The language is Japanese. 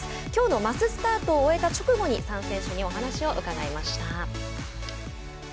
きょうのマススタートを終えた直後に３選手にお話を伺いました。